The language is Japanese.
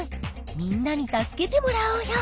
みんなに助けてもらおうよ。